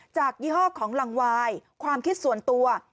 ยี่ห้อของลังวายความคิดส่วนตัว